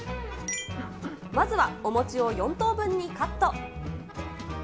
まずはお餅を４等分にカット。